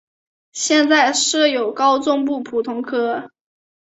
现在设有高中部普通科。